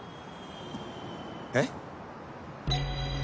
えっ？